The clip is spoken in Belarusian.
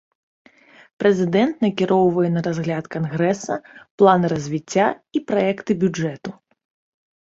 Прэзідэнт накіроўвае на разгляд кангрэса планы развіцця і праекты бюджэту.